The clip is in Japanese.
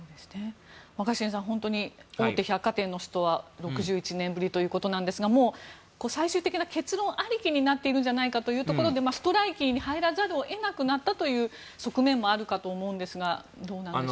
若新さん本当に大手百貨店のストは６１年ぶりということなんですが最終的な結論ありきになっているんじゃないかというところでストライキに入らざるを得なくなったという側面もあるかと思うんですがどうなんでしょう？